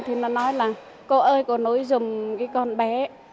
thì nó nói là cô ơi cô nối dùm cái con bé